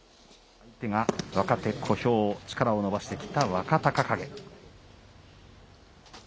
相手が若手、小兵、力を伸ばしてきた若隆景。